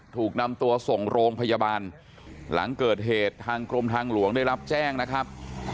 ถูกนำตัวส่งโรงพยาบาลหลังเกิดเหตุทางกรมทางหลวงได้รับแจ้งนะครับ